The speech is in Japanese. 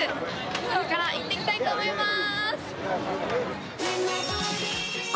今から行ってきたいと思います。